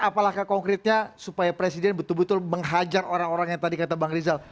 apakah konkretnya supaya presiden betul betul menghajar orang orang yang tadi kata bang rizal